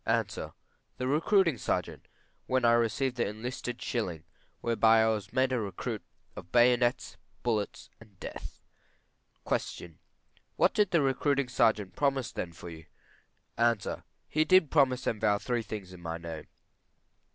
A. The recruiting sergeant, when I received the enlisting shilling, whereby I was made a recruit of bayonets, bullets, and death. Q. What did the recruiting sergeant promise then for you? A. He did promise and vow three things in my name.